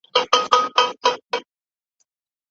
د اوبو ډېر استعمال پوستکی تازه ساتي.